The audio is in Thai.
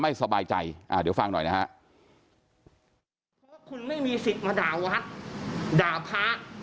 ไม่สบายใจเดี๋ยวฟังหน่อยนะคุณไม่มีสิทธิ์มาด่าวัดด่าพระ